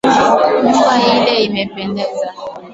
Nyumba ile imependeza